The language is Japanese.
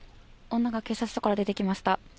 女が警察署から出てきました。